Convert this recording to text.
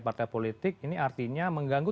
partai politik ini artinya mengganggu